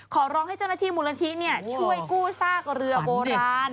ขอร้องให้เจ้าหน้าที่มูลนิธิช่วยกู้ซากเรือโบราณ